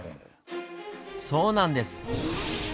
そうなんです！